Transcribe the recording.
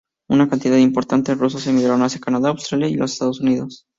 Una cantidad importante de rusos emigraron hacia Canadá, Australia, y los Estados Unidos.